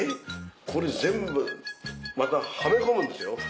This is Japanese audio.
これ全部またはめ込むんですよ！